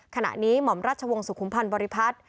หม่อมราชวงศ์สุขุมพันธ์บริพัฒน์